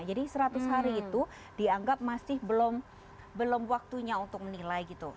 jadi seratus hari itu dianggap masih belum waktunya untuk menilai gitu